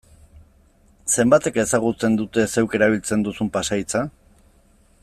Zenbatek ezagutzen dute zeuk erabiltzen duzun pasahitza?